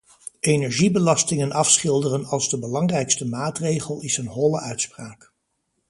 Energiebelastingen afschilderen als de belangrijkste maatregel is een holle uitspraak.